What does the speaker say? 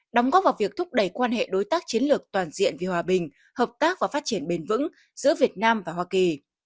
đóng góp vào việc thúc đẩy quan hệ đối tác chiến lược toàn diện vì hòa bình hợp tác và phát triển bền vững giữa việt nam và hoa kỳ